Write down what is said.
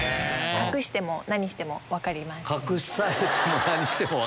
隠されても何されても分かります。